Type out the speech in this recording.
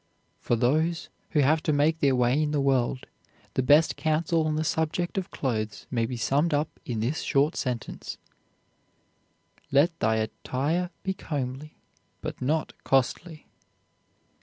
For those who have to make their way in the world, the best counsel on the subject of clothes may be summed up in this short sentence, "Let thy attire be comely, but not costly."